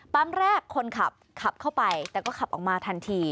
แรกคนขับขับเข้าไปแต่ก็ขับออกมาทันที